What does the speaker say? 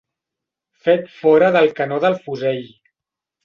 Fet fora del canó del fusell.